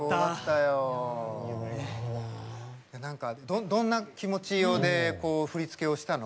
何かどんな気持ちで振り付けをしたの？